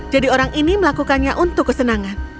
jadi orang ini melakukannya untuk kesenangan